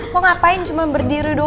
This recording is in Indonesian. kok ngapain cuma berdiri doang